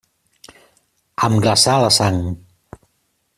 Em glaçà la sang.